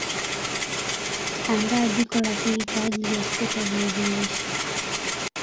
Andaa jiko la kuni kwa ajili ya kupika viazi lishe